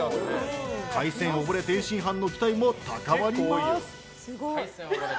海鮮おぼれ天津飯の期待も高まります。